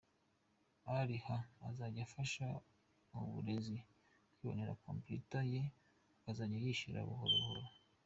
Al Halaal ikazajya ifasha umurezi kwibonera computer ye akazajya yishyura buhoro buhoro.